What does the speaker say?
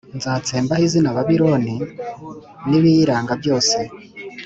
Nzatsembaho izina Babiloni n’ibiyiranga byose,